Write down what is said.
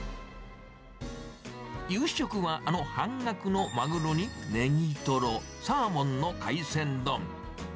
夕食はあの半額のマグロにネギトロ、サーモンの海鮮丼。